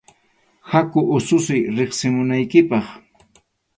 Haku ususiy riqsimunaykipaq.